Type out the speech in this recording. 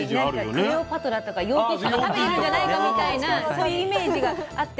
クレオパトラとか楊貴妃が食べてるんじゃないかみたいなそういうイメージがあって。